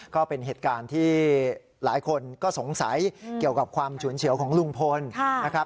ก็เป็นเหตุการณ์ที่หลายคนก็สงสัยเกี่ยวกับความฉุนเฉียวของลุงพลนะครับ